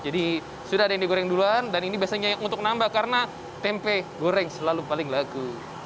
sudah ada yang digoreng duluan dan ini biasanya untuk nambah karena tempe goreng selalu paling laku